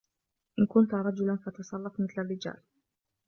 إن كنتَ رجلا ، فتصرف مثل الرجال.